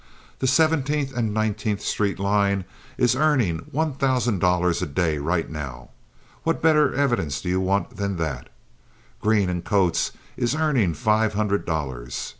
The Seventeenth and Nineteenth Street line is earning one thousand dollars a day right now. What better evidence do you want than that? Green & Coates is earning five hundred dollars.